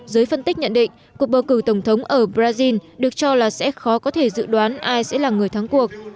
giới phân tích nhận định cuộc bầu cử tổng thống ở brazil được cho là sẽ khó có thể dự đoán ai sẽ là người thắng cuộc